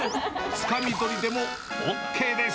つかみ取りでもＯＫです。